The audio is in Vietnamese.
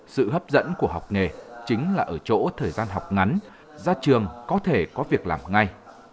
sự hấp dẫn của học nghề chính là ở chỗ thời gian học ngắn ra trường có thể có việc làm ngay